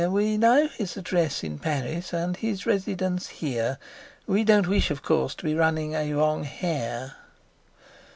"We know his address in Paris and his residence here. We don't wish, of course, to be running a wrong hare."